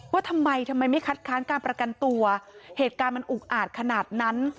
ว่าทำไมทำไมไม่คัดค้านการประกันตัวเหตุการณ์มันอุกอาจขนาดนั้น